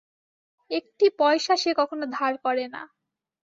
একটি পয়সা সে কখনো ধার করে না।